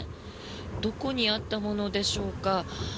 どこにあったものでしょうか。